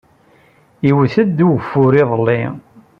Iwwet-d ugfur iḍelli.